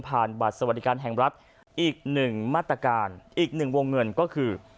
บัตรสวัสดิการแห่งรัฐอีกหนึ่งมาตรการอีกหนึ่งวงเงินก็คือ